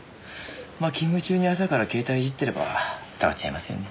まあ勤務中に朝から携帯いじってれば伝わっちゃいますよね。